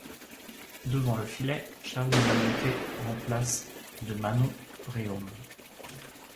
Devant le filet, Charline Labonté remplace de Manon Rhéaume.